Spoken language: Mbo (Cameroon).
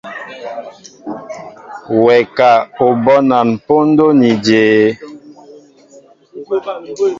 Wɛ ka, O bónan póndó ni jě?